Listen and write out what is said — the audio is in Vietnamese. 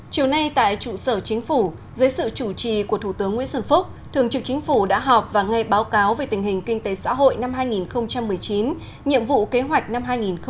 chiều nay tại trụ sở chính phủ dưới sự chủ trì của thủ tướng nguyễn xuân phúc thường trực chính phủ đã họp và nghe báo cáo về tình hình kinh tế xã hội năm hai nghìn một mươi chín nhiệm vụ kế hoạch năm hai nghìn hai mươi